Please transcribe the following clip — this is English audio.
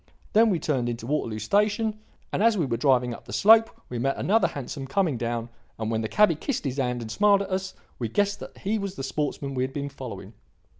Then we turned into Waterloo Station, and, as we were driving up the slope we met another hansom coming down; and when the cabby kissed his hand and smiled at us, we guessed that he was the sportsman we had been following.